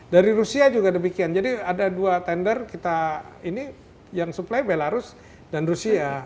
dari rusia juga demikian jadi ada dua tender kita ini yang supply belarus dan rusia